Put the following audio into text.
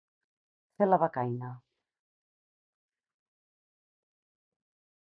Fer la becaina.